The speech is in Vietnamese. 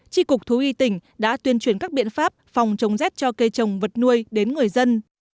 tri cục thú y tỉnh đã tuyên truyền các biện pháp phòng chống rét cho cây trồng vật nuôi đến người dân